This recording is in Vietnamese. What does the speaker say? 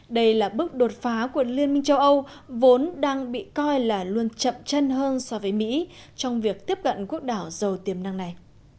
đây là bước đột phá của liên minh châu âu vốn đang bị coi là luôn chậm chân hơn so với mỹ trong việc tiếp cận quốc đảo giàu tiềm năng này